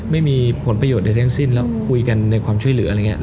ไม่มีผลประโยชน์ใดทั้งสิ้นแล้วคุยกันในความช่วยเหลืออะไรอย่างนี้